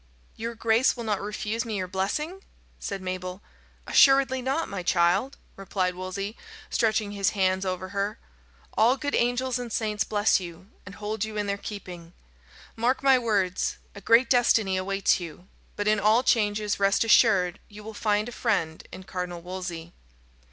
"Your grace will not refuse me your blessing?" said Mabel. "Assuredly not, my child," replied Wolsey, stretching his hands over her. "All good angels and saints bless you, and hold you in their keeping. Mark my words: a great destiny awaits you; but in all changes, rest assured you will find a friend in Cardinal Wolsey."